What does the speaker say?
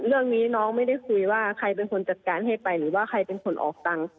เรื่องนี้น้องไม่ได้คุยว่าใครเป็นคนจัดการให้ไปหรือว่าใครเป็นคนออกตังค์